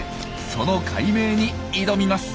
その解明に挑みます。